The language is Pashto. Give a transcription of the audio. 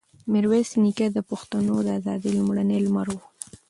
ميرويس خان نیکه د پښتنو د ازادۍ لومړنی لمر و.